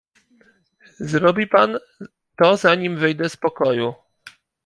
"Zrobi pan to zanim wyjdę z pokoju."